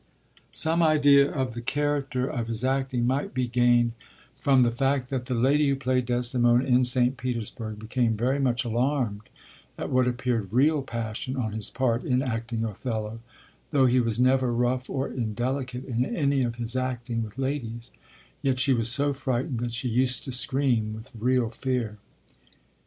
Some idea of the character of his acting might be gained from the fact that the lady who played Desdemona in St. Petersburg, became very much alarmed at what appeared real passion on his part, in acting Othello; though he was never rough or indelicate in any of his acting with ladies, yet she was so frightened that she used to scream with real fear.